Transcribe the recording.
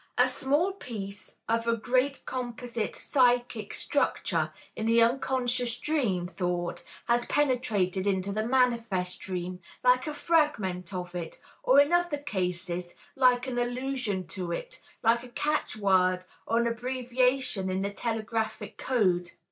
A small piece of a great composite psychic structure in the unconscious dream thought has penetrated into the manifest dream, like a fragment of it, or in other cases, like an allusion to it, like a catchword or an abbreviation in the telegraphic code.